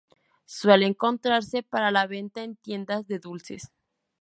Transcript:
Suele encontrarse para la venta en tiendas de dulces.